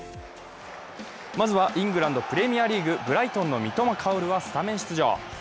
まずはイングランドプレミアリーグ、ブライトンの三笘薫はスタメン出場。